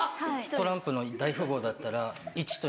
トランプの大富豪だったら１と